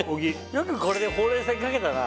よくこれでほうれい線描けたな。